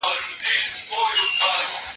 تر نظر يې تېروله ټول كونجونه